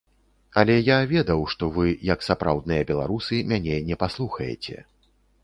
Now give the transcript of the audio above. Але я ведаў, што вы, як сапраўдныя беларусы, мяне не паслухаеце.